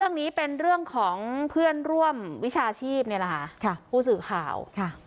เรื่องนี้เป็นเรื่องของเพื่อนร่วมวิชาชีพนี่แหละค่ะผู้สื่อข่าวค่ะ